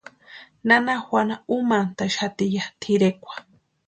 Nana Juana úmantʼaxati ya tʼirekwa.